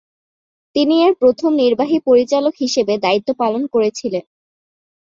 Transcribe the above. তিনি এর প্রথম নির্বাহী পরিচালক হিসাবে দায়িত্ব পালন করেছিলেন।